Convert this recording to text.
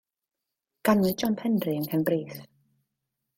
Ganwyd John Penri yng Nghefn Brith.